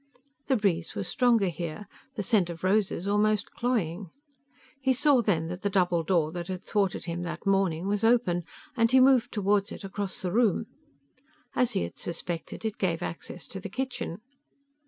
The breeze was stronger here, the scent of roses almost cloying. He saw then that the double door that had thwarted him that morning was open, and he moved toward it across the room. As he had suspected, it gave access to the kitchen.